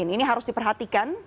ini harus diperhatikan